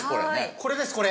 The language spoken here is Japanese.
これですこれ。